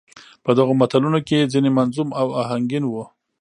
په دغو متلونو کې يې ځينې منظوم او اهنګين وو.